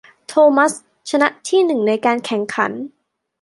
โทมัสชนะที่หนึ่งในการแข่งขัน